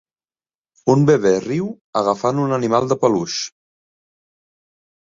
Un bebè riu agafant un animal de peluix.